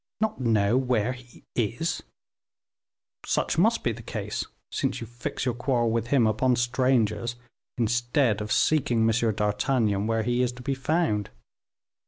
"Not know where he is?" "Such must be the case, since you fix your quarrel with him upon strangers, instead of seeking M. d'Artagnan where he is to be found."